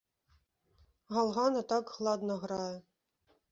Галган, а так ладна грае.